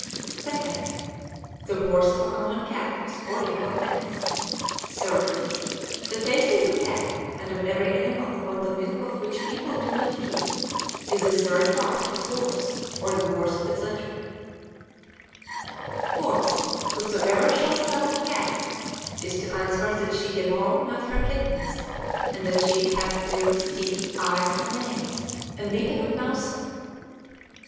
2d. The worth of a common cat is four legal pence. 3d. The teithi of a cat, and of every animal upon the milk of which people do not feed, is the third part of its worth or the worth of its litter. 4th. Whosoever shall sell a cat (cath) is to answer that she devour not her kittens, and that she have ears, teeth, eyes, and nails, and be a good mouser.